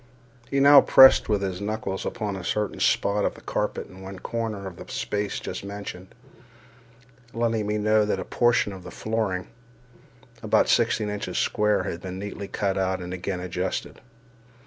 He now pressed with his knuckles upon a certain spot of the carpet in one corner of the space just mentioned, letting me know that a portion of the flooring, about sixteen inches square, had been neatly cut out and again adjusted.